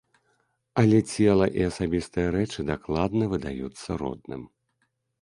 Але цела і асабістыя рэчы дакладна выдаюцца родным.